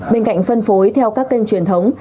bên cạnh phân phối theo các kênh truyền thống